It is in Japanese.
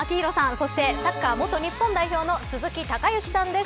そして、サッカー元日本代表の鈴木隆行さんです。